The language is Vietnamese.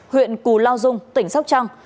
huyện cù lao dung tỉnh sóc trăng